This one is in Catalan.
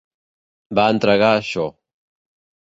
Va entregar això.